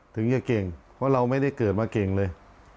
ถึงจะเก่งเพราะเราไม่ได้เกิดมาเก่งเลย